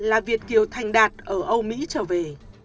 là việt kiều thành đạt ở âu mỹ trở về